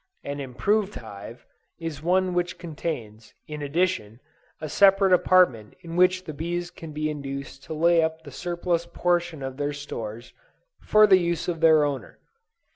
An improved hive is one which contains, in addition, a separate apartment in which the bees can be induced to lay up the surplus portion of their stores, for the use of their owner.